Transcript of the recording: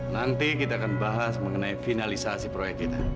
nanti kita akan bahas mengenai finalisasi proyek kita